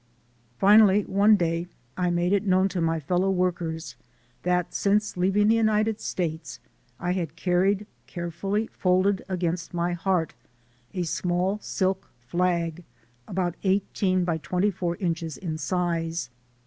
Finally one day I made it known to my fellow workers that since leaving the United States I had carried, carefully folded against my heart, a small silk flag, about eighteen by twenty four inches in size.